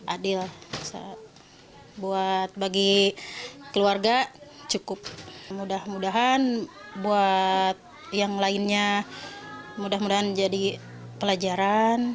adil buat bagi keluarga cukup mudah mudahan buat yang lainnya mudah mudahan jadi pelajaran